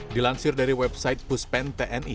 dilansir dari website puspen tni